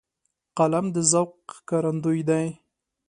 قلم د ذوق ښکارندوی دی